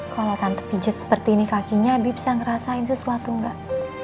kalau tante pijet seperti ini kakinya bipsa ngerasain sesuatu nggak